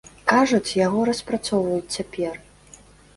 Кажуць, яго распрацоўваюць цяпер.